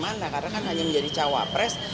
mana karena kan hanya menjadi cawapres